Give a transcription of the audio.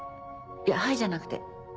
いや「はい」じゃなくて。